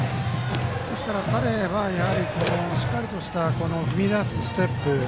ですから彼はしっかりとした踏み出すステップ。